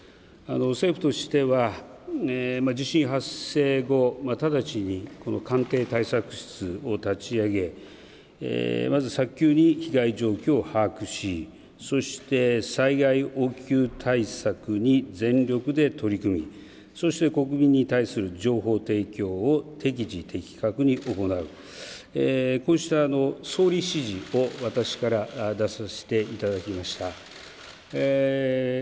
政府としては地震発生後直ちにこの関係対策室を立ち上げまず早急に被害状況を把握しそして、災害応急対策に全力で取り組みそして国民に対する情報提供を適時的確に行うこうした総理指示を私から出させていただきました。